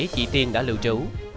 chị tiên đã lưu trú